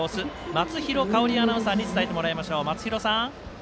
松廣香織アナウンサーに伝えてもらいましょう。